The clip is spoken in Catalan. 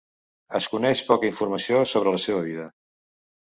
Es coneix poca informació sobre la seva vida.